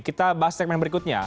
kita bahas segmen berikutnya